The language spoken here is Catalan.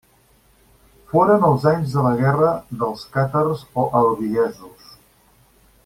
Foren els anys de la guerra dels càtars o albigesos.